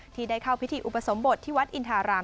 ที่ได้เข้าพิธีอุปสมบทที่วัดอินทาราม